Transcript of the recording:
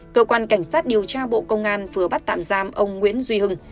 cơ quan cảnh sát điều tra bộ công an vừa bắt tạm giam ông nguyễn duy hưng